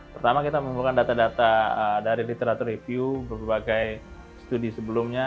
pertama kita mengumpulkan data data dari literatur review berbagai studi sebelumnya